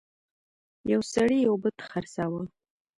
یو سړي یو بت خرڅاوه.